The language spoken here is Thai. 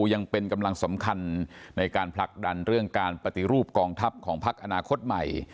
ยังเป็นกำลังสำคัญในการผลักดันเรื่องการปฏิรูปกองทัพของพักอนาคตใหม่